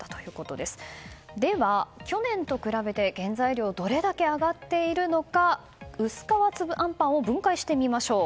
では、去年と比べて原材料どれだけ上がっているのか薄皮つぶあんぱんを分解してみましょう。